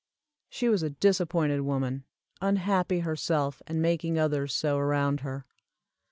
She was a disappointed woman, unhappy herself and making others so around her.